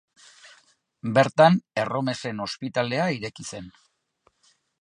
Bertan erromesen ospitalea ireki zen.